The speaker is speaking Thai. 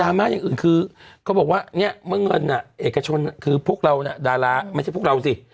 ดราม่าอย่างอื่นคือเค้าบอกว่าเงินน่ะเอกชนคือพวกเราน่ะดาราไม่ใช่พวกเราสิ